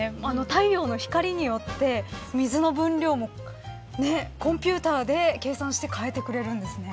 太陽の光によって、水の分量もコンピューターで計算して変えてくれるんですね。